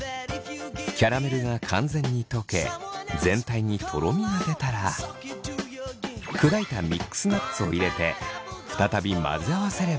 キャラメルが完全に溶け全体にとろみが出たら砕いたミックスナッツを入れて再び混ぜ合わせれば完成です。